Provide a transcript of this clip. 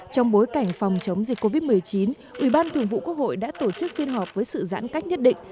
trong bối cảnh phòng chống dịch covid một mươi chín ủy ban thường vụ quốc hội đã tổ chức phiên họp với sự giãn cách nhất định